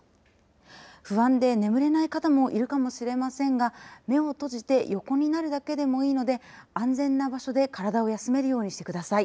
不安で眠れない方もいるかもしれませんが目を閉じて横になるだけでもいいので安全な場所で体を休めるようにしてください。